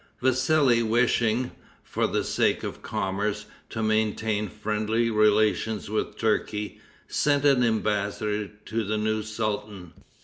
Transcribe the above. Vassili, wishing, for the sake of commerce, to maintain friendly relations with Turkey, sent an embassador to the new sultan.